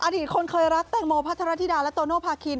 ตคนเคยรักแตงโมพัทรธิดาและโตโนภาคิน